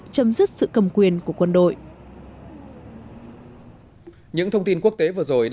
chấm dứt sự cầm quyền của quân đội